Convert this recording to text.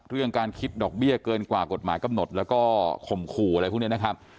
เรื่องการคิดดอกเบี้ยเกินกว่ากฎหมายกำหนดแล้วก็ข่มขู่อะไรพวกนี้นะครับ